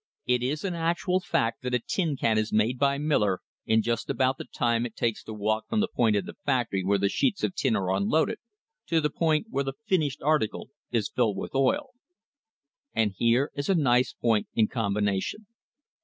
It is an actual fact that a tin can is made by Miller in just about the time it takes to walk from the point in the factory where the sheets of tin are unloaded to the point where the finished article is filled with oil. And here is a nice point in combination.